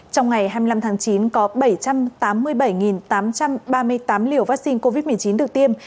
trong ngày hai mươi năm tháng chín có bảy trăm tám mươi bảy tám trăm ba mươi tám liều vaccine covid một mươi chín được tiêm